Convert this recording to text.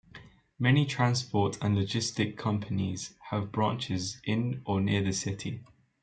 Many transport and logistic companies has branches in or near the city.